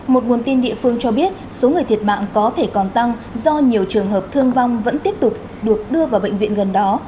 một nguồn tin địa phương cho biết số người thiệt mạng có thể còn tăng do nhiều trường hợp thương vong vẫn tiếp tục được đưa vào bệnh viện gần đó